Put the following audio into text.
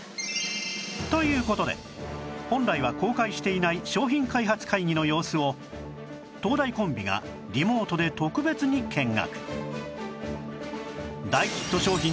という事で本来は公開していない商品開発会議の様子を東大コンビがリモートで特別に見学